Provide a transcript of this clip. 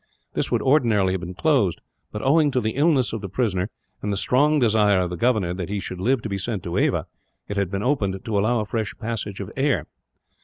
This would ordinarily have been closed but, owing to the illness of the prisoner, and the strong desire of the governor that he should live to be sent to Ava, it had been opened to allow a free passage of air.